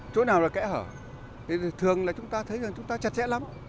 chỗ nào là kẽ hở thì thường là chúng ta thấy rằng chúng ta chặt chẽ lắm